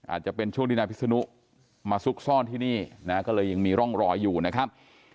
อาจจะเป็นช่วงที่นายพิษนุมาซุกซ่อนที่นี่นะก็เลยยังมีร่องรอยอยู่นะครับ